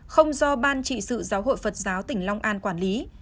không do ban trị sự giáo hội phật giáo tỉnh long an quản lý